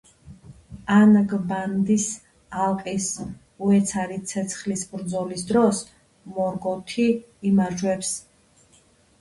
ანგბანდის ალყის, უეცარი ცეცხლის ბრძოლის დროს მორგოთი იმარჯვებს.